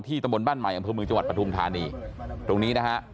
ที่ตมบลบ้านใหม่ของพื้นเมืองจังหวัดปฐุมธานีตรงนี้นะฮะ